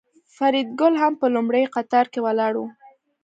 فریدګل هم په لومړي قطار کې ولاړ و